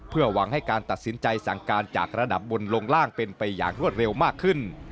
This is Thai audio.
เพื่อหวังให้การตัดสินใจสั่งการจากระดับบนลงล่างเป็นไปอย่างรวดเร็วมากขึ้น